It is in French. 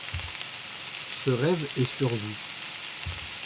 Ce rêve est sur vous.